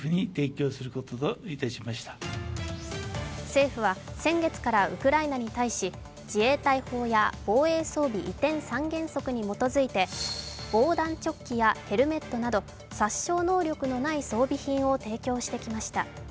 政府は先月からウクライナに対し、自衛隊法や防衛装備移転三原則に基づいて防弾チョッキやヘルメットなど殺傷能力のない装備品を提供してきました。